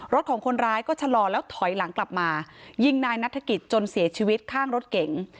ของคนร้ายก็ชะลอแล้วถอยหลังกลับมายิงนายนัฐกิจจนเสียชีวิตข้างรถเก๋ง